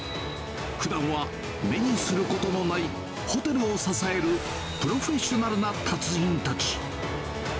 ふだんは目にすることのないホテルを支えるプロフェッショナルな達人たち。